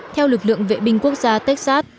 theo lực lượng vệ binh quốc gia texas